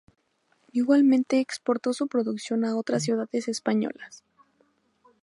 Igualmente exportó su producción a otras ciudades españolas.